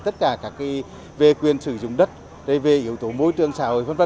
tất cả các về quyền sử dụng đất về yếu tố môi trường xã hội v v